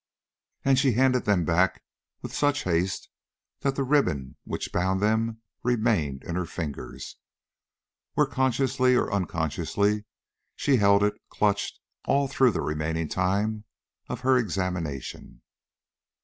And she handed them back with such haste that the ribbon which bound them remained in her fingers, where consciously or unconsciously she held it clutched all through the remaining time of her examination.